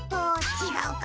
ちがうか。